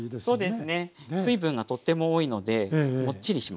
水分がとっても多いのでモッチリしますよ。